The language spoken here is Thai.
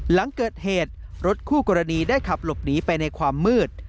หลังเกิดเหตุรถคู่กรณีได้ขับหลบหนีไปในความมืด